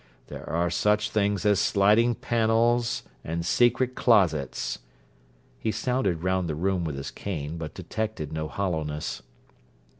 There are such things as sliding panels and secret closets.' He sounded round the room with his cane, but detected no hollowness.